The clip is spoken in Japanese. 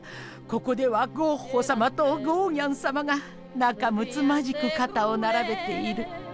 ここではゴッホさまとゴーギャンさまがなかむつまじく肩をならべている。